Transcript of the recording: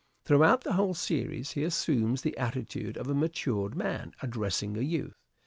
Throughout the whole series he assumes the attitude of a matured man addressing a youth.